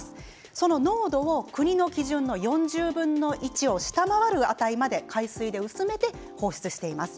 その濃度を国の基準の４０分の１を下回る値まで海水で薄めて放出しています。